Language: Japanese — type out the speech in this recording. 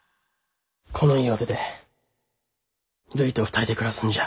この家を出てるいと２人で暮らすんじゃ。